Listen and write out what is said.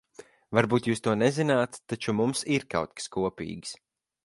Varbūt jūs to nezināt, taču mums ir kaut kas kopīgs.